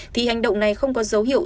thì hành động này không có dấu hiệu